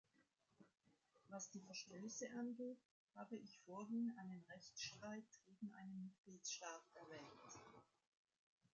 Was die Verstöße angeht, habe ich vorhin einen Rechtsstreit gegen einen Mitgliedstaat erwähnt.